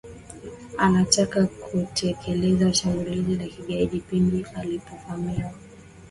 anataka kutekeleza shambulizi la kigaidi pindi alipovamiwa